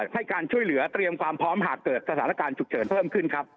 ให้การช่วยเหลือเตรียมความพร้อมหากเกิดสถานการณ์ฉุกเฉินเพิ่มขึ้นครับ